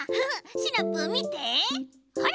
シナプーみてほら。